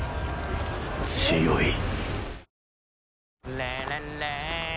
強い。